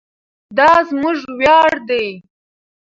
دا زموږ ویاړ دی.